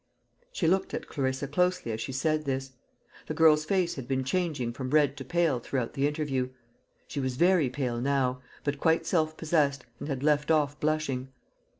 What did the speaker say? She looked at Clarissa closely as she said this. The girl's face had been changing from red to pale throughout the interview. She was very pale now, but quite self possessed, and had left off blushing.